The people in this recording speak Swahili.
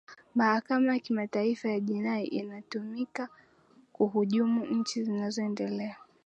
mahakama ya kimataifa ya jinai inatumika kuhujumu nchi zinazoendelea